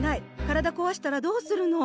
体こわしたらどうするの？